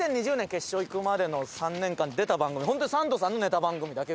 決勝いくまでの３年間で出た番組は本当にサンドさんのネタ番組だけぐらいなんで。